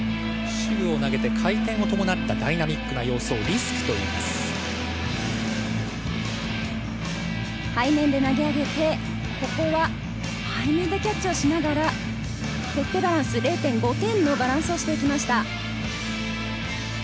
手具をあげて回転を伴った投背面で投げ上げて、背面でキャッチをしながら、０．５点のバランスをしていきました。